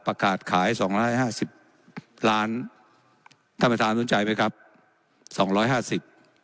ประกาศขายสองร้อยห้าสิบล้านท่านประธานสนใจไหมครับสองร้อยห้าสิบ